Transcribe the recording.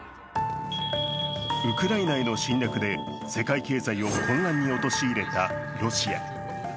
ウクライナへの侵略で世界経済を混乱に陥れたロシア。